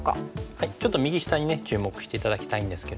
ちょっと右下に注目して頂きたいんですけれども。